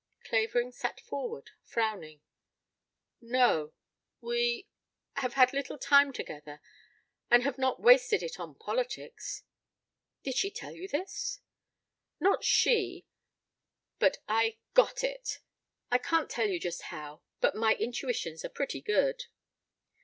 Clavering sat forward, frowning. "No. We have had little time together and have not wasted it on politics. Did she tell you this?" "Not she. But I 'got' it. I can't tell you just how, but my intuitions are pretty good."